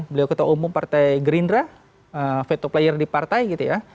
beliau ketua umum partai gerindra veto player di partai